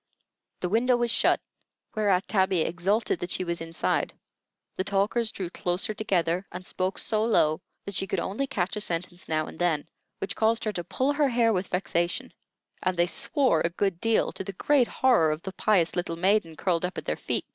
The window was shut, whereat Tabby exulted that she was inside; the talkers drew closer together, and spoke so low that she could only catch a sentence now and then, which caused her to pull her hair with vexation; and they swore a good deal, to the great horror of the pious little maiden curled up at their feet.